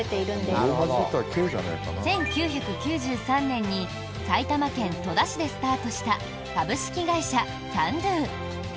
１９９３年に埼玉県戸田市でスタートした株式会社キャンドゥ。